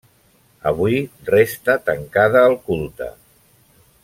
Avui resta tancada al culte.